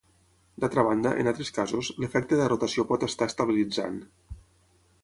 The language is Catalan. D'altra banda, en altres casos, l'efecte de rotació pot estar estabilitzant.